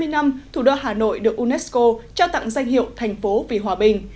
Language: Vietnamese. hai mươi năm thủ đô hà nội được unesco trao tặng danh hiệu thành phố vì hòa bình